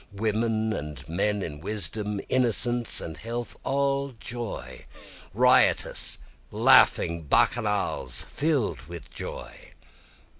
Women and men in wisdom innocence and health all joy! Riotous laughing bacchanals fill'd with joy!